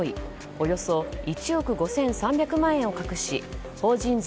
およそ１億５３００万円を隠し法人税